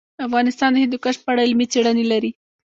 افغانستان د هندوکش په اړه علمي څېړنې لري.